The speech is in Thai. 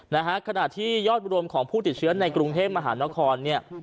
นะฮะขณะที่ยอดรวมของผู้ติดเชื้อในกรุงเทพมหานครเนี่ย